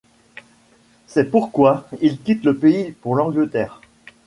C'est pourquoi il quitte le pays pour l'Angleterre.